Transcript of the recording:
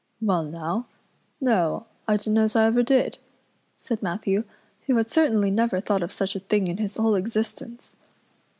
"Well now, no, I dunno's I ever did," said Matthew, who had certainly never thought of such a thing in his whole existence.